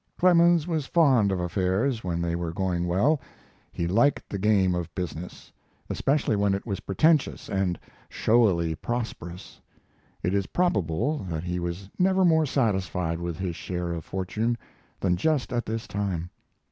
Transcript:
Clemens was fond of affairs when they were going well; he liked the game of business, especially when it was pretentious and showily prosperous. It is probable that he was never more satisfied with his share of fortune than just at this time.